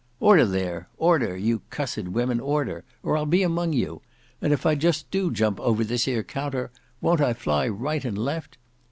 "Order there, order; you cussed women, order, or I'll be among you. And if I just do jump over this here counter, won't I let fly right and left?